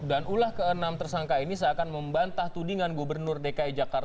dan ulah keenam tersangka ini seakan membantah tudingan gubernur dki jakarta